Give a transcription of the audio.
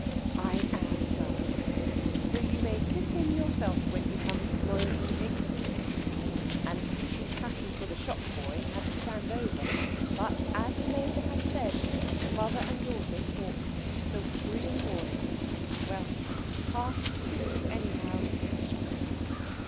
"I am, darling. So you may kiss him yourself when he comes to morrow evening." And Tishy's passion for the shop boy had to stand over. But, as the Major had said, the mother and daughter talked till three in the morning well, past two, anyhow!